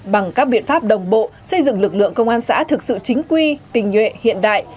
bằng các biện pháp đồng bộ xây dựng lực lượng công an xã thực sự chính quy tình nhuệ hiện đại